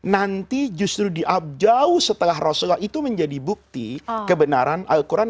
nanti justru diabjau setelah rasulullah itu menjadi bukti kebenaran al quran